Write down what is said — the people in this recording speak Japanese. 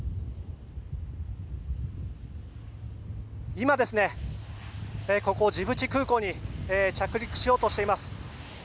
今、ジブチ空港に着陸しようとしています。